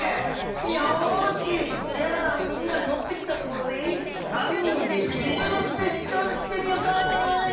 よしじゃあみんなのってきたところで３人でリズムセッションしてみよかい。